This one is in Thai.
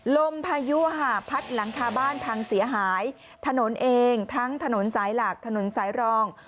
ลมพายุพัดหลังคาบ้านพังเสียหายถนนเองทั้งถนนสายหลักถนนสายรอง